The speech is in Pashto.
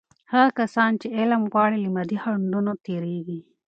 هغه کسان چې علم غواړي، له مادي خنډونو تیریږي.